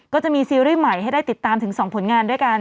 ซีรีส์ใหม่ให้ได้ติดตามถึง๒ผลงานด้วยกัน